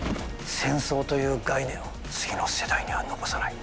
戦争という概念を次の世代には残さない。